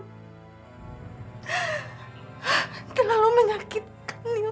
teteh tidak mau mengingat masa lalu yuyun